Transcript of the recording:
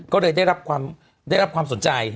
ก็เลยได้รับความสนใจ